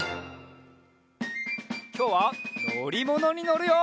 きょうはのりものにのるよ！